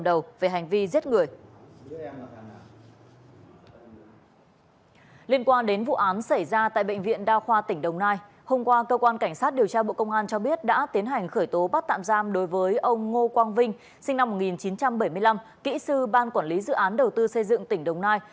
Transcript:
đối với ông ngô quang vinh sinh năm một nghìn chín trăm bảy mươi năm kỹ sư ban quản lý dự án đầu tư xây dựng tỉnh đồng nai